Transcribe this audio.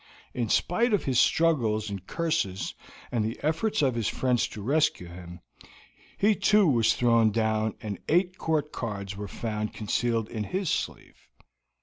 In spite of his struggles and curses, and the efforts of his friends to rescue him, he too was thrown down and eight court cards were found concealed in his sleeve.